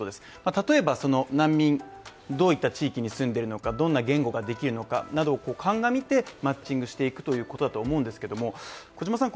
例えば難民、どういった地域に住んでるのかどんな言語ができるのかなどを鑑みてマッチングしていくということだと思うんですけども、小島さん